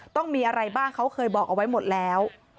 ต้องมีอะไรบ้างเขาเคยบอกเอาไว้หมดแล้ว